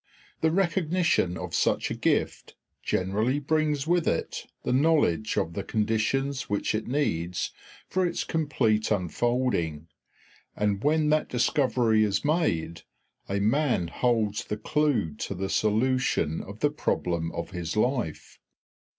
The recognition of such a gift generally brings with it the knowledge of the conditions which it needs for its complete unfolding; and when that discovery is made a man holds the clew to the solution of the problem of his life.